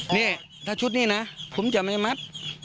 นี่ถ้าชุดนี้นะผมจะไม่มัด